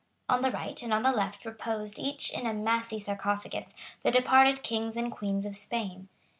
On the right and on the left reposed, each in a massy sarcophagus, the departed kings and queens of Spain.